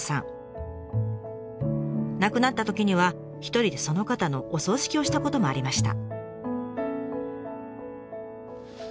亡くなったときには一人でその方のお葬式をしたこともありました。